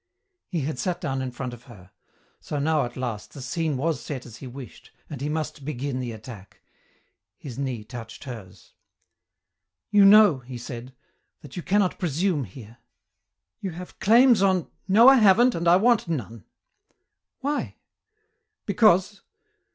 He had sat down in front of her. So now, at last, the scene was set as he wished and he must begin the attack. His knee touched hers. "You know," he said, "that you cannot presume here. You have claims on " "No, I haven't and I want none." "Why?" "Because....